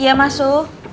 iya mas su